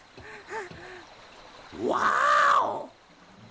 ワーオ！